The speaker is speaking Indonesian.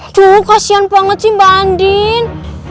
aduh kasian banget sih mbak andin